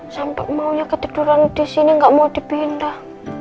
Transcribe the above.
sampai maunya ketiduran di sini gak mau dipindah